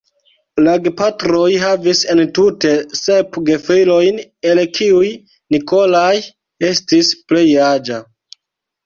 La gepatroj havis entute sep gefilojn, el kiuj "Nikolaj" estis plej aĝa.